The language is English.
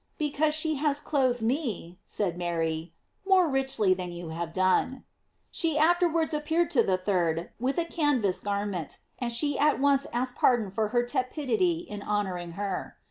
"Because she has clothed me," said Mary, "more richly than you have done." She afterwards appeared to the third with a canvas garment, and she at once asked pardon for her tepidity in honoring her.